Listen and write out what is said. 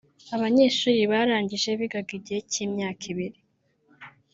Abanyeshuri barangije bigaga igihe cy’ imyaka ibiri